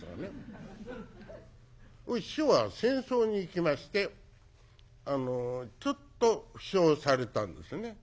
師匠は戦争に行きましてちょっと負傷されたんですね。